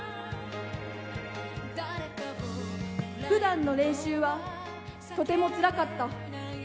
ふだんの練習は、とてもつらかった。